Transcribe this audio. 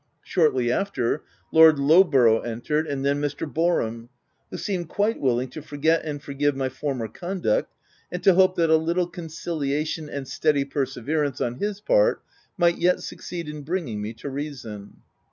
Shortly after, Lord Lowborough entered, and then Mr. Boarham, who seemed quite willing to forget and forgive my former conduct, and to hope that a little conciliation and steady perseverance on his part might yet succeed in bringing me to reason.